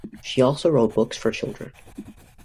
She also wrote books for children.